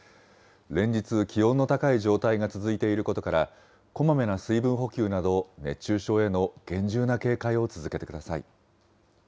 連日、気温の高い状態が続いていることから、こまめな水分補給など、熱中症への厳重な警戒を続けてください。